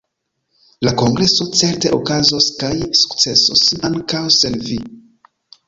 La kongreso certe okazos kaj sukcesos ankaŭ sen Vi.